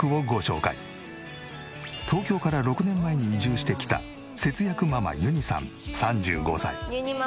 東京から６年前に移住してきた節約ママゆにさん３５歳。